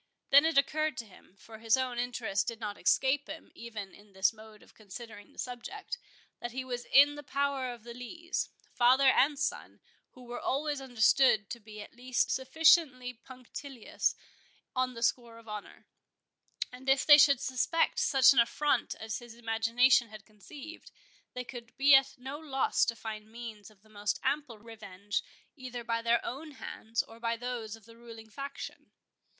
Then it occurred to him—for his own interest did not escape him, even in this mode of considering the subject—that he was in the power of the Lees, father and son, who were always understood to be at least sufficiently punctilious on the score of honour; and if they should suspect such an affront as his imagination had conceived, they could be at no loss to find means of the most ample revenge, either by their own hands, or by those of the ruling faction.